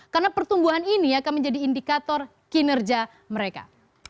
karena pertumbuhan ini akan menjadi indikator kinerja mereka